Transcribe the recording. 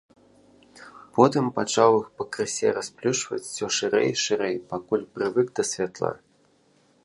Потым пачаў іх пакрысе расплюшчваць усё шырэй і шырэй, пакуль прывык да святла.